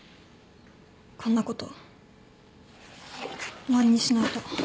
こんなこと終わりにしないと。